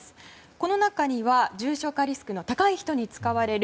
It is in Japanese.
この中には重症化リスクの高い人に使われる